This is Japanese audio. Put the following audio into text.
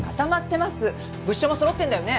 物証も揃ってるんだよね？